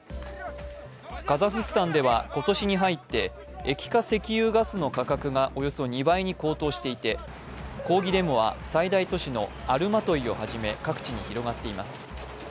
カザフスタンでは今年に入って液化石油ガスの価格がおよそ２倍に高騰していて、抗議デモは最大都市のアルマトイをはじめ各地に広がっています。